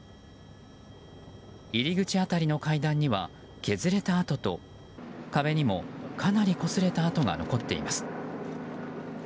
入り口辺りの階段には削れた跡と壁にも、かなりこすれた跡が残っています。